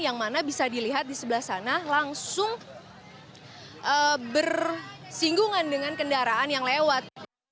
yang mana bisa dilihat di sebelah sana langsung bersinggungan dengan kendaraan yang lewat